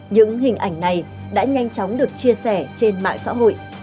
những hình ảnh này đã nhanh chóng được chia sẻ trên mạng xã hội